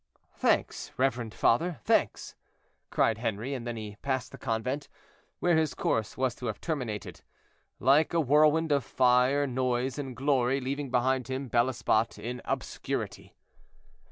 "Thanks, reverend father, thanks," cried Henri; and then he passed the convent, where his course was to have terminated, like a whirlwind of fire, noise, and glory, leaving behind him Bel Esbat in obscurity.